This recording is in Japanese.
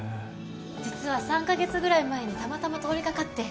実は３カ月ぐらい前にたまたま通りかかって